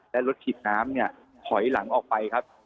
และรถฉีดน้ำเนี่ยถอยหลังออกไปครับ